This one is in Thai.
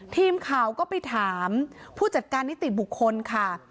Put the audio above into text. ทีมข่าวก็ไปถามผู้จัดการนิติบุคคลค่ะ